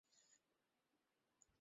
বাহ, দারুন!